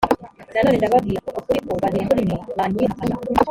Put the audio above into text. nanone ndababwira ukuri ko babiri muri mwe banyihakana